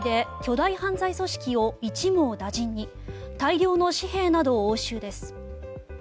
大量の紙幣などを押収です。